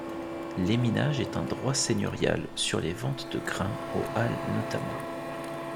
L'éminage est un droit seigneurial sur les ventes de grains, aux halles notamment.